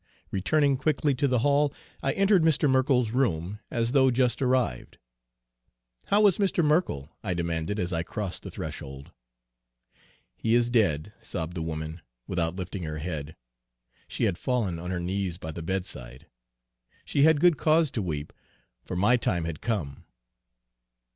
Returning quickly to the hall, I entered Mr. Merkell's room as though just arrived. "'How is Mr. Merkell?' I demanded, as I crossed the threshold. "'He is dead,' sobbed the woman, without lifting her head, she had fallen on her knees by the bedside. She had good cause to weep, for my time had come.